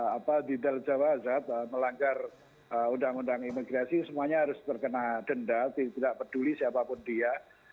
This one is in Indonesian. apa didal jawab melanggar undang undang imigrasi semuanya harus terkena denda tidak peduli siapapun dia